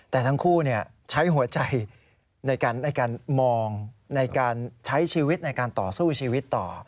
แต่ทั้งคู่ใช้หัวใจในการมองในการใช้ชีวิตในการต่อสู้ชีวิตต่อ